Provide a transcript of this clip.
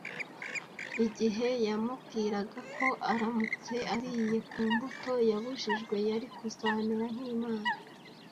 Igihe yamubwiraga ko aramutse ariye ku mbuto yabujijwe yari kuzamera nk’Imana